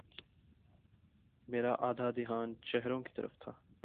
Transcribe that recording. میرا آدھا دھیان چہروں کی طرف تھا۔